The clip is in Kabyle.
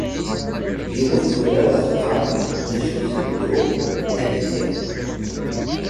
Yiwet tura la teqqar: d acu tedduɣ ad iliɣ?